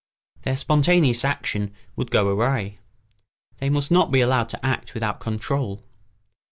Their spontaneous action would go awry. They must not be allowed to act without control.